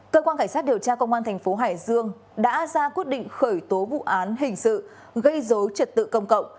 cơ quan cảnh sát điều tra công an thành phố hải dương đã ra quyết định khởi tố vụ án hình sự gây dối trật tự công cộng